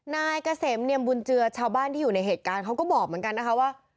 นายเกษมเนียมบุญเจือชาวบ้านที่อยู่ในเหตุการณ์เขาก็บอกเหมือนกันนะคะว่า